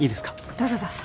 どうぞどうぞ。